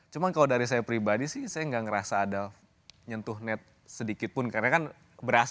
cuma kalau dari saya pribadi sih saya gak ngerasa ada nyentuh net sedikit pun karena kan berasa gitu kalau keputusan dari wasid